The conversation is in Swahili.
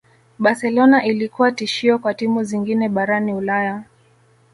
Barcelona ilikuwa tishio kwa timu zingine barani ulaya